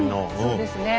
そうですね。